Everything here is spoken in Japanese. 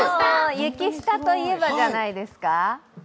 雪下といえばじゃないですか？